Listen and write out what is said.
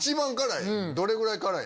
どれぐらい辛い？